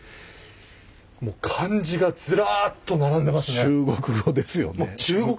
漢字がずらっと並んでますね。